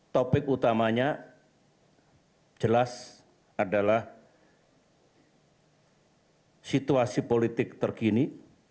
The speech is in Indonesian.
topik utamanya jelas adalah situasi politik terkini